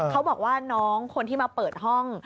เขาบอกว่าน้องคนที่มาเปิดห้อง